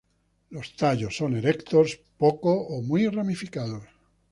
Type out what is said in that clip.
Los tallos son erectos, poco o muy ramificados.